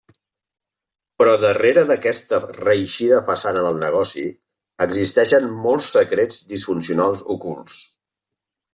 Però darrere d'aquesta reeixida façana del negoci, existeixen molts secrets disfuncionals ocults.